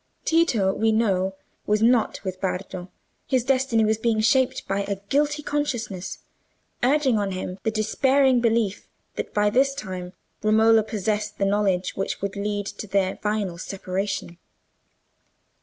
Tito, we know, was not with Bardo; his destiny was being shaped by a guilty consciousness, urging on him the despairing belief that by this time Romola possessed the knowledge which would lead to their final separation.